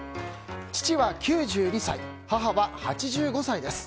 父は９２歳母は８５歳です。